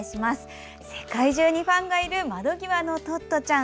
世界中にファンがいる「窓ぎわのトットちゃん」。